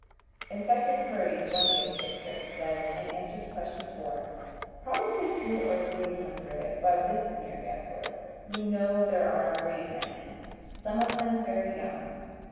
Inspector Curry, 20th district, says, in answer to question 4: "Probably two or three hundred, but this is mere guess work. We know there are a great many; some of them very young."